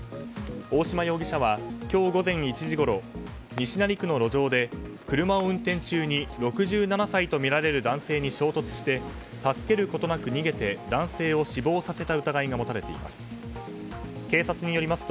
大島容疑者は今日午前１時ごろ西成区の路上で、車を運転中に６７歳とみられる男性に衝突して助けることなく逃げて男性を死亡させた疑いが持たれています。